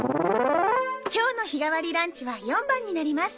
今日の日替わりランチは４番になります。